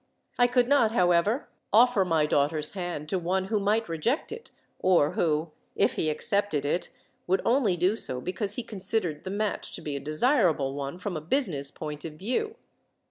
"I could not, however, offer my daughter's hand to one who might reject it, or who, if he accepted it, would only do so because he considered the match to be a desirable one, from a business point of view.